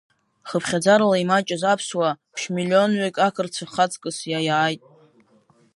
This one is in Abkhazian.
Хыԥхьаӡарала имаҷыз аԥсуаа, ԥшь миллионҩык ақырҭцәа ҳаҵкыс иаиааит.